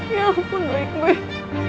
ya ampun baik baik